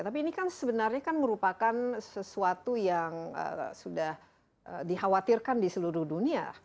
tapi ini kan sebenarnya kan merupakan sesuatu yang sudah dikhawatirkan di seluruh dunia